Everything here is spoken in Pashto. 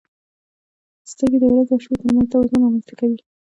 • سترګې د ورځې او شپې ترمنځ توازن رامنځته کوي.